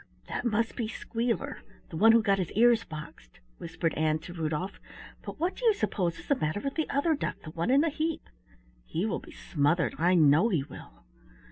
"That must be Squealer, the one who got his ears boxed," whispered Ann to Rudolf, "but what do you suppose is the matter with the other duck, the one in the heap? He will be smothered, I know he will!"